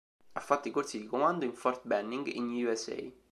Ha fatto i corsi di comando in Fort Benning in Usa.